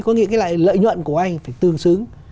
có nghĩa là lợi nhuận của anh phải tương xứng